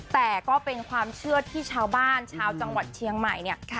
แต่ก็เป็นความเชื่อที่ชาวบ้านชาวจังหวัดเชียงใหม่เนี่ย